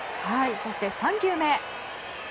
そして３球目。